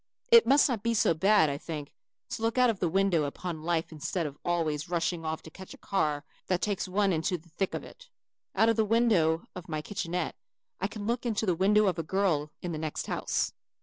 It must not be so bad, I think, to look out of the window upon life instead of always rushing off to catch a car that takes one into the thick of it. Out of the window of my kitchenette I can look into the window of a girl in the next house.